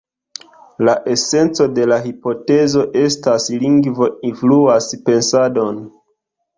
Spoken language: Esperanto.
La esenco de la hipotezo estas: "lingvo influas pensadon".